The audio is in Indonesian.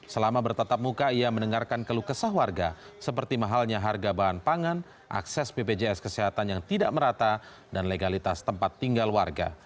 selama bertatap muka ia mendengarkan keluh kesah warga seperti mahalnya harga bahan pangan akses bpjs kesehatan yang tidak merata dan legalitas tempat tinggal warga